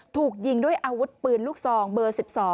ถูกยิงด้วยอาวุธปืนลูกซองเบอร์๑๒